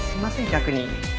逆に。